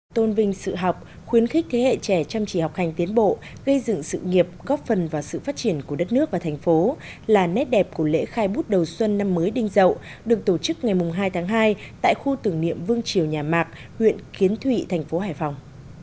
tôn vinh sự học khuyến khích thế hệ trẻ chăm chỉ học hành tiến bộ gây dựng sự nghiệp góp phần vào sự phát triển của đất nước và thành phố là nét đẹp của lễ khai bút đầu xuân năm mới đinh dậu được tổ chức ngày hai tháng hai tại khu tưởng niệm vương triều nhà mạc huyện kiến thụy thành phố hải phòng